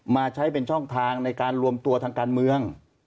มาใช้เป็นช่องทางในการรวมตัวทางการเมือง